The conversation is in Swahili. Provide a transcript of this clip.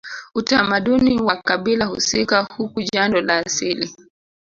Utamaduni wa kabila husika huku jando la asili